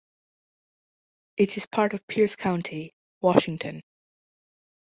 It is part of Pierce County, Washington.